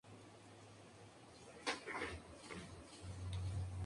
Cordelia regresa pero solo para despedirse de Ángel, ya que está muerta.